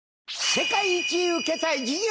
世界一受けたい授業。